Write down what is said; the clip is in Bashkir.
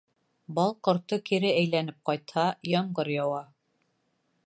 Бал ҡорто кире әйләнеп ҡайтһа, ямғыр яуа.